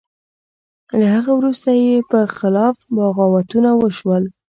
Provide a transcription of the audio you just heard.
له هغه وروسته یې په خلاف بغاوتونه وشول.